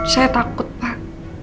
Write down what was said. saya takut pak